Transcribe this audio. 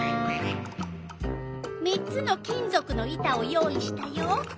３つの金ぞくの板を用意したよ。